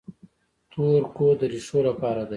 تور کود د ریښو لپاره دی.